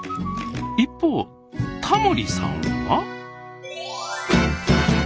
一方タモリさんは？